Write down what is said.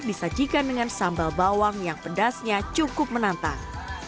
disajikan dengan sambal bawang yang pedasnya cukup menantang